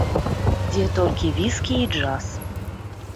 Дзе толькі віскі і джаз.